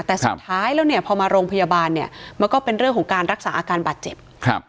แต่สุดท้ายแล้วเนี่ยพอมาโรงพยาบาลเนี่ยมันก็เป็นเรื่องของการรักษาอาการบาดเจ็บครับ